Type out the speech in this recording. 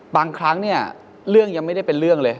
บางครั้งเนี่ยเรื่องยังไม่ได้เป็นเรื่องเลย